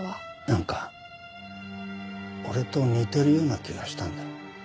なんか俺と似てるような気がしたんだ。